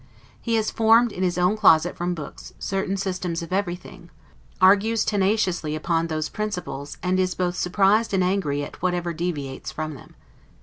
He has formed in his own closet from books, certain systems of everything, argues tenaciously upon those principles, and is both surprised and angry at whatever deviates from them.